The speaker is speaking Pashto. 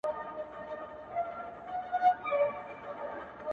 o خداى دي له بدوسترگو وساته تل ـ